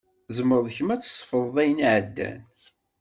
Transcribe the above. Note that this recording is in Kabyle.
Tzemreḍ kemm ad tsefḍeḍ ayen iɛeddan?